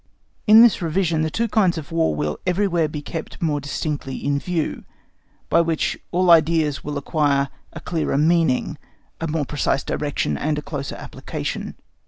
In this revision the two kinds of War will be everywhere kept more distinctly in view, by which all ideas will acquire a clearer meaning, a more precise direction, and a closer application.